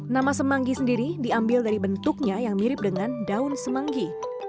nama semanggi sendiri diambil dari bentuknya yang mirip dengan daun semanggi